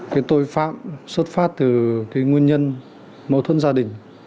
cái tội phạm xuất phát từ cái nguyên nhân mâu thuẫn gia đình